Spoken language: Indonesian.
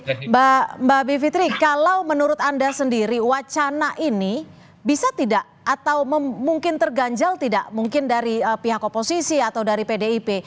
mbak bivitri kalau menurut anda sendiri wacana ini bisa tidak atau mungkin terganjal tidak mungkin dari pihak oposisi atau dari pdip